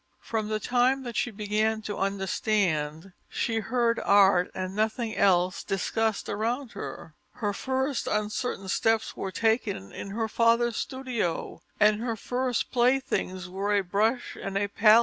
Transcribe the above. From the time that she began to understand, she heard art and nothing else discussed around her; her first uncertain steps were taken in her father's studio, and her first playthings were a brush and a palette laden with colours.